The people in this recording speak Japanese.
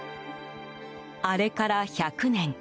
あれから１００年。